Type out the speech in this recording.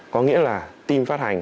có nghĩa là team phát hành